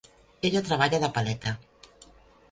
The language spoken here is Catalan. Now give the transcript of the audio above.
Ella treballa de paleta.